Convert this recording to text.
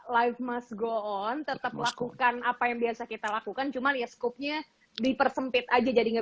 life musk go on tetap lakukan apa yang biasa kita lakukan cuman ya skupnya dipersempit aja jadi nggak